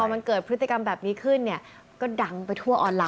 มันเกิดพฤติกรรมแบบนี้ขึ้นเนี่ยก็ดังไปทั่วออนไลน